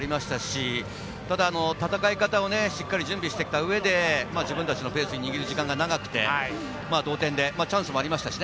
優勝候補でもありましたし、ただ戦い方をしっかり準備してきた上で、自分達のペースを握る時間が長くて、同点でチャンスもありましたしね。